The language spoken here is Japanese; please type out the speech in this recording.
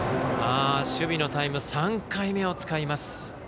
守備のタイム３回目を使います。